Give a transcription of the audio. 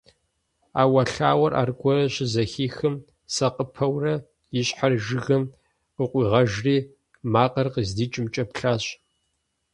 Ӏэуэлъауэр аргуэру щызэхихым, сакъыпэурэ и щхьэр жыгым къыкъуигъэжри макъыр къыздикӏымкӏэ плъащ.